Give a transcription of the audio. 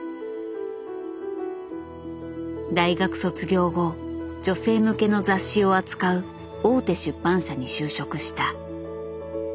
大学卒業後女性向けの雑誌を扱う大手出版社に就職した。